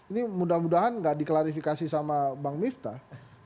ini mudah mudahan nggak diklarifikasi sama bang miftah